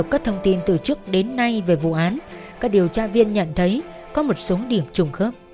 các thông tin từ trước đến nay về vụ án các điều tra viên nhận thấy có một số điểm trùng khớp